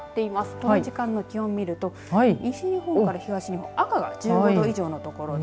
この時間の気温を見ると西日本から東日本赤が１５度以上の所で。